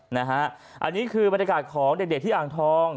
อันนี้คือบรรยากาศของเด็กที่อ่างทอง